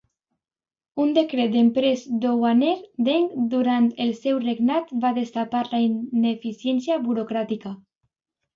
Un decret de Empress Dowager Deng durant el seu regnat va destapar la ineficiència burocràtica.